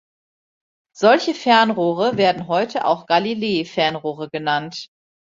Solche Fernrohre werden heute auch Galilei-Fernrohre genannt.